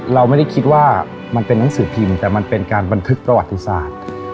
เราไม่ได้คิดว่ามันเป็นหนังสือพิมพ์แต่มันเป็นการบันทึกประวัติศาสตร์